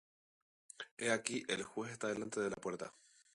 he aquí, el juez está delante de la puerta.